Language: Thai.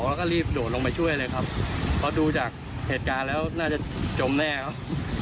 เขาก็รีบโดดลงไปช่วยเลยครับเพราะดูจากเหตุการณ์แล้วน่าจะจมแน่ครับ